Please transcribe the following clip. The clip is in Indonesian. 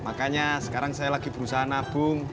makanya sekarang saya lagi berusaha nabung